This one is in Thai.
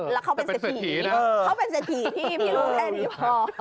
แล้วเขาเป็นเศรษฐีที่มีลูกแค่นี้พอ